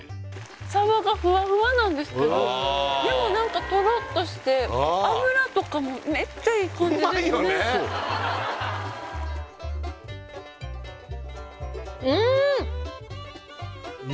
サバがフワフワなんですけどでも何かトロッとして脂とかもめっちゃいい感じですね